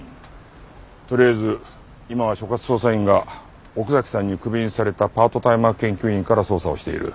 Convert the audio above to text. とりあえず今は所轄捜査員が奥崎さんにクビにされたパートタイマー研究員から捜査をしている。